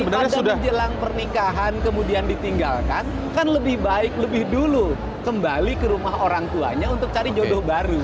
pada menjelang pernikahan kemudian ditinggalkan kan lebih baik lebih dulu kembali ke rumah orang tuanya untuk cari jodoh baru